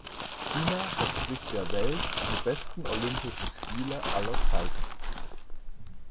China verspricht der Welt die besten Olympischen Spiele aller Zeiten.